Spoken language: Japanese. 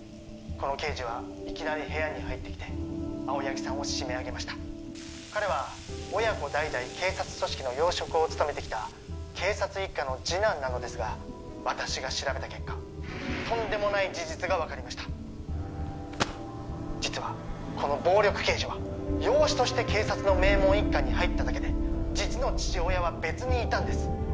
この刑事はいきなり部屋に入ってきて青柳さんを締め上げました彼は親子代々警察組織の要職を務めてきた警察一家の次男なのですが私が調べた結果とんでもない事実が分かりました実はこの暴力刑事は養子として警察の名門一家に入っただけで実の父親は別にいたんです